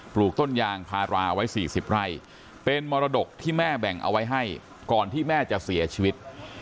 ลูกต้นยางพาราไว้๔๐ไร่เป็นมรดกที่แม่แบ่งเอาไว้ให้ก่อนที่แม่จะเสียชีวิต